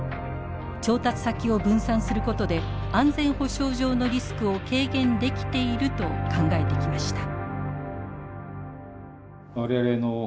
調達先を分散することで安全保障上のリスクを軽減できていると考えてきました。